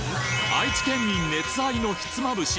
愛知県民熱愛のひつまぶし。